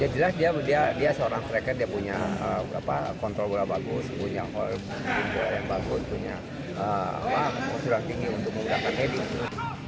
ya jelas dia seorang striker dia punya kontrol bola bagus punya gol yang bagus punya langkah yang tinggi untuk menggunakan heading